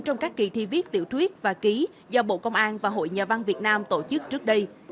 trong các kỳ thi viết tiểu thuyết và ký do bộ công an và hội nhà văn việt nam tổ chức trước đây